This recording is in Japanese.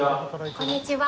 こんにちは。